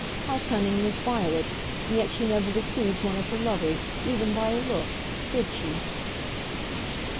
How cunning was Violet, and yet she never deceived one of her lovers, even by a look. Did she?"